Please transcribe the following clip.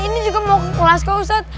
ini juga mau ke kelas kau ustadz